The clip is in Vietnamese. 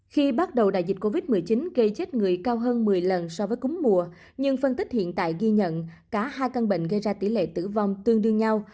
khi bắt đầu đại dịch covid một mươi chín gây chết người cao hơn một mươi lần so với cúm mùa nhưng phân tích hiện tại ghi nhận cả hai căn bệnh gây ra tỷ lệ tử vong tương đương nhau